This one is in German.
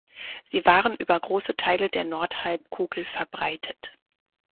Sie waren über große Teile der Nordhalbkugel verbreitet.